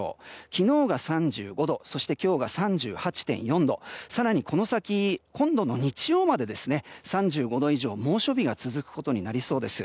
昨日が３５度そして今日が３８．４度更にこの先、今度の日曜まで３５度以上猛暑日が続くことになりそうです。